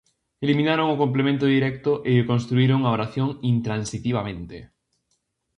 Eliminaron o complemento directo e construíron a oración intransitivamente.